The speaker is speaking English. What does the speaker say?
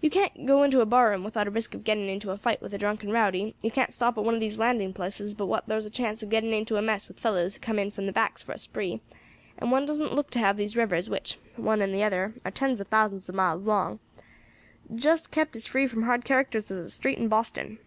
"You can't go into a bar room without a risk of getting into a fight with a drunken rowdy; you can't stop at one of these landing places but what thar's a chance of getting into a mess with fellows who come in from the backs for a spree, and one doesn't look to have these rivers which, one and the other, are tens of thousands of miles long, just kept as free from hard characters as a street in Boston.